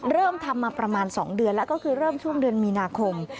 เริ่มทำมาประมาณ๒เดือนแล้วก็คือเริ่มช่วงเดือนมีนาคม